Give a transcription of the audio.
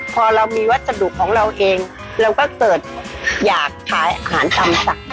พอเรามีวัสดุของเราเองเราก็เกิดอยากขายอาหารตำสั่ง